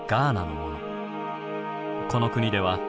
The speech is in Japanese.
この国では。